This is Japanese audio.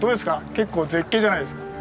結構絶景じゃないですか。